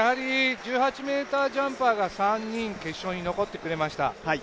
１８ｍジャンパーが３人決勝に残ってくれました。